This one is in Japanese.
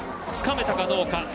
つかめたかどうか。